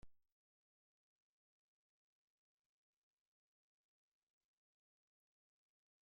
The period was enabled by novel stone working techniques.